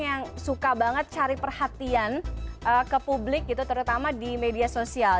yang suka banget cari perhatian ke publik gitu terutama di media sosial